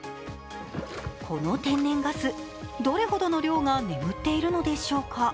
この天然ガス、どれほどの量が眠っているのでしょうか。